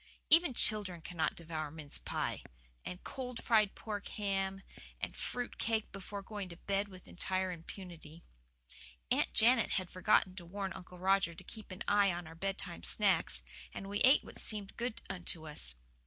Even children cannot devour mince pie, and cold fried pork ham, and fruit cake before going to bed with entire impunity. Aunt Janet had forgotten to warn Uncle Roger to keep an eye on our bedtime snacks, and we ate what seemed good unto us.